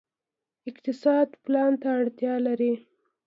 اقتصاد پلان ته اړتیا لري